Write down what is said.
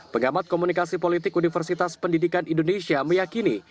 pengamat komunikasi politik universitas pendidikan indonesia meyakini